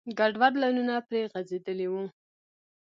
ګډوډ لاینونه پرې غځېدلي وو.